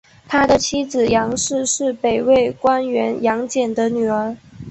他的妻子杨氏是北魏官员杨俭的女儿。